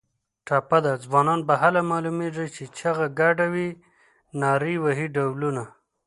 ټپه ده: ځوانان به هله معلومېږي چې چیغه ګډه وي نري وهي ډولونه